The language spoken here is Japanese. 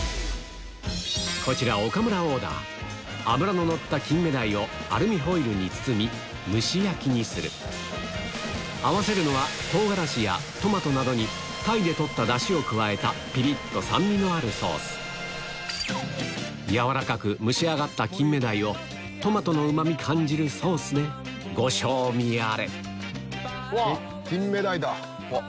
こちら岡村オーダー脂ののった金目鯛をアルミホイルに包み蒸し焼きにする合わせるのはピリっと酸味のあるソース軟らかく蒸し上がった金目鯛をトマトのうまみ感じるソースでご賞味あれ金目鯛だ。